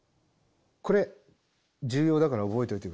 これ重要だから覚えておいて下さい。